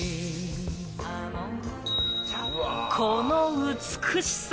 この美しさ。